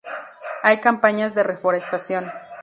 Hay campañas de reforestación.